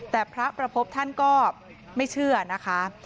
แต่พระประพบท่านก็ไม่เชื่อนะคะ